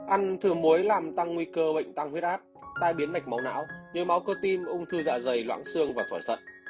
ăn thử muối làm tăng nguy cơ bệnh tăng huyết áp tai biến mạch máu não nơi máu cơ tim ung thư dạ dày loãng xương và khỏi sận